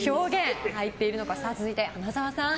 続いて、花澤さん。